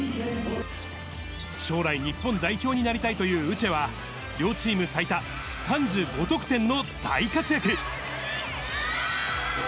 将来、日本代表になりたいというウチェは、両チーム最多、３５得点の大活躍。